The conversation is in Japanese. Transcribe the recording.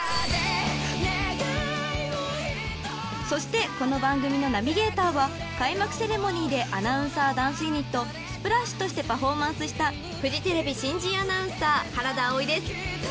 ［そしてこの番組のナビゲーターは開幕セレモニーでアナウンサーダンスユニットＳＰＬＡＳＨ！としてパフォーマンスしたフジテレビ新人アナウンサー原田葵です］